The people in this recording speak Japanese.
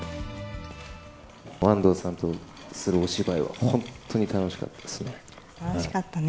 安藤さんとするお芝居は、楽しかったね。